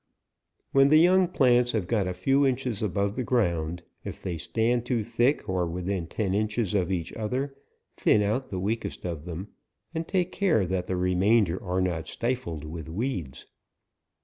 5 When the young plants have got a few in ches above the ground, if they stand too thick, or within ten inches of each other 7 thin out the weakest of them, and take care that the remainder are not stifled with weeds.